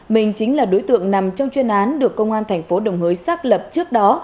mình chính là đối tượng nằm trong chuyên án được công an thành phố đồng hới xác lập trước đó